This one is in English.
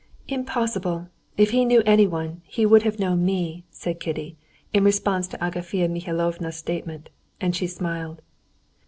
"Impossible! If he knew anyone, he would have known me," said Kitty, in response to Agafea Mihalovna's statement, and she smiled.